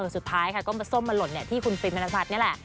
สุดท้ายก็มาส้มมาหล่นที่คุณฟินธนาภัศน์นั่นแหละ